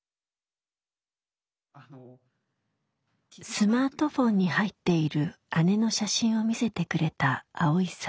スマートフォンに入っている姉の写真を見せてくれたアオイさん。